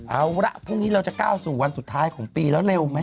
เอาละพรุ่งนี้เราจะก้าวสู่วันสุดท้ายของปีแล้วเร็วไหม